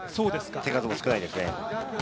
手数も少ないですね。